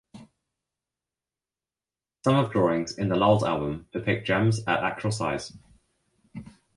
Some of drawings in the Lulls album depict gems at actual size.